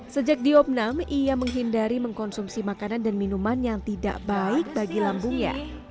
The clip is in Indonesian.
sejak diopnam ia menghindari mengkonsumsi makanan dan minuman yang tidak baik bagi lambungnya